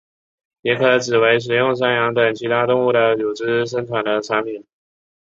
也可指为使用山羊等其他动物的乳汁生产的产品。